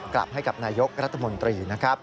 กลับให้กับนายกรัฐมนตรีนะครับ